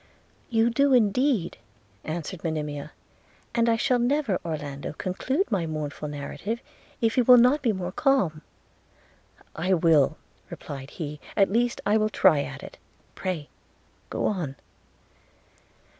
'You do, indeed,' answered Monimia; 'and I shall never, Orlando, conclude my mournful narrative, if you will not be more calm.' 'I will,' replied he; 'at least I will try at it – Pray go on.'